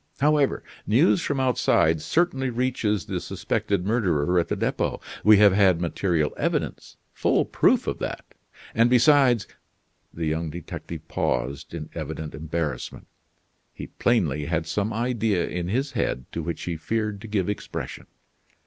However, news from outside certainly reaches the suspected murderer at the Depot; we have had material evidence full proof of that and besides " The young detective paused in evident embarrassment. He plainly had some idea in his head to which he feared to give expression.